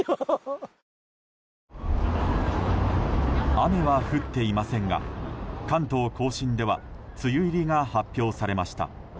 雨は降っていませんが関東・甲信では梅雨入りが発表されました。